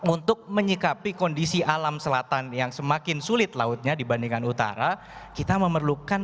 untuk menyikapi kondisi alam selatan yang semakin sulit lautnya dibandingkan utara kita memerlukan